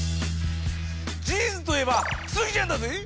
ジーンズといえばスギちゃんだぜぇ